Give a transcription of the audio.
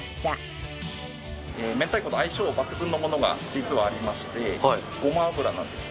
明太子と相性抜群のものが実はありましてごま油なんです。